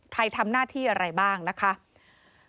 ใครทำหน้าที่อะไรบ้างนะครับ